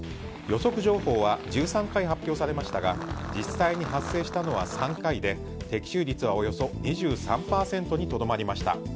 予測情報は１３回発表されましたが実際に発生したのは３回で的中率はおよそ２３％にとどまりました。